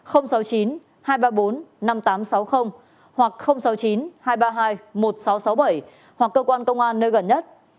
hoặc sáu mươi chín hai trăm ba mươi hai một nghìn sáu trăm sáu mươi bảy hoặc cơ quan công an nơi gần nhất